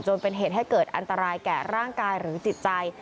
จนเป็นเหตุให้เกิดอันตรายแก่ร่างกายหรือจิตใจ